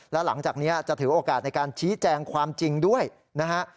แล้วหลังจากนี้จะถือโอกาสในการชี้แจงความจริงด้วยนะฮะ